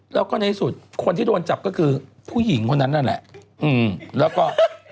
แล้วก็ในสุดคนที่โดนจับก็คือผู้หญิงคนนั้นนั่นแหละแล้วก็